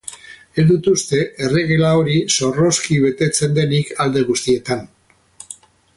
Ez dut uste erregela hori zorrozki betetzen denik alde guztietan.